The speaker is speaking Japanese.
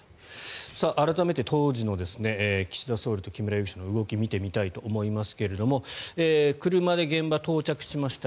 改めて、当時の岸田総理と木村容疑者の動きを見てみたいと思いますが車で現場に到着しました